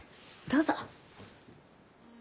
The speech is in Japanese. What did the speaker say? どうぞ。